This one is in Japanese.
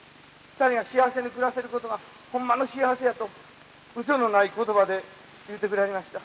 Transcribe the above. ２人が幸せに暮らせることがホンマの幸せや」とうそのない言葉で言うてくれはりました。